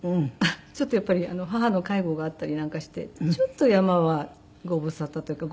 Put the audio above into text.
ちょっとやっぱり母の介護があったりなんかしてちょっと山はご無沙汰というか。